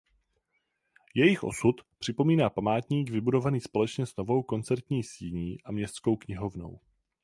Jejich osud připomíná památník vybudovaný společně s novou koncertní síní a městskou knihovnou.